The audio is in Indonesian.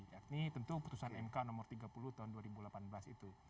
yakni tentu putusan mk nomor tiga puluh tahun dua ribu delapan belas itu